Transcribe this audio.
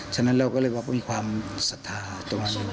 ฉะนั้นเราก็เลยมีความศรัทธาตัวนั้น